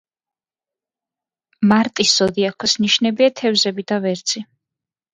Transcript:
მარტის ზოდიაქოს ნიშნებია თევზები და ვერძი.